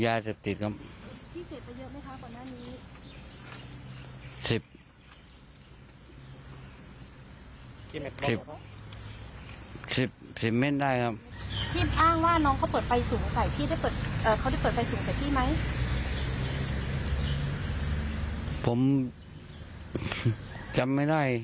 อยากสักแผ่นความเสียใจหรือขอโทษน้องดูสาม